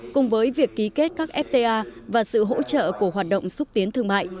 cùng với việc ký kết các fta và sự hỗ trợ của hoạt động xúc tiến thương mại